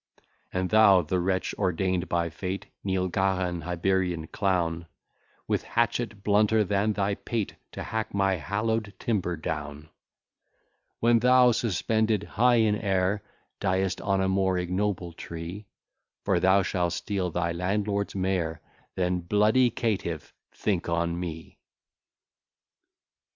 "And thou, the wretch ordain'd by fate, Neal Gahagan, Hibernian clown, With hatchet blunter than thy pate, To hack my hallow'd timber down; "When thou, suspended high in air, Diest on a more ignoble tree, (For thou shall steal thy landlord's mare,) Then, bloody caitiff! think on me."